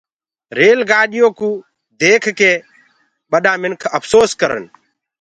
ريل گآڏيآ ڪوُ ديک ڪي ٻڏآ مِنک اڦسوس ڪرن۔